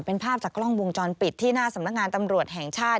เป็นภาพจากกล้องวงจรปิดที่หน้าสำนักงานตำรวจแห่งชาติ